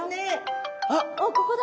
あっここだ！